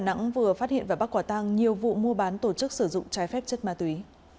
công an thành phố đà nẵng vừa phát hiện và bắt quả tăng nhiều vụ mua bán tổ chức sử dụng trái phép chất ma túy